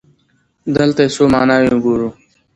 دلته يې څو ماناوې ګورو.